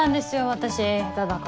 私絵下手だから。